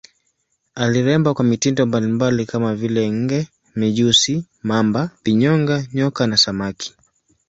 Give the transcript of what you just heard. Aliremba kwa mitindo mbalimbali kama vile nge, mijusi, mamba, vinyonga, nyoka na samaki.